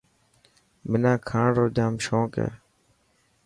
منا کاڻ رو جام شونڪ هي.